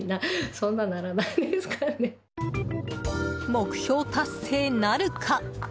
目標達成なるか？